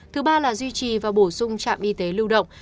thứ ba là duy trì và bổ sung trạm y tế lưu động